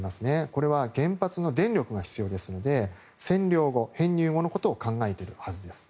これは原発の電力が必要ですので占領後のことを考えているはずです。